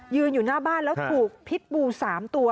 อยู่หน้าบ้านแล้วถูกพิษบู๓ตัว